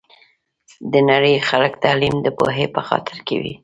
د نړۍ خلګ تعلیم د پوهي په خاطر کوي